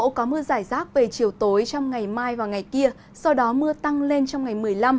bộ có mưa giải rác về chiều tối trong ngày mai và ngày kia sau đó mưa tăng lên trong ngày một mươi năm